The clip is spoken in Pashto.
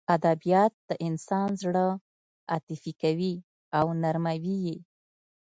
ادبیات د انسان زړه عاطفي کوي او نرموي یې